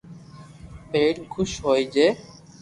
پيرين خوس ھوئي جي